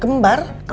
kamu sudah caregiver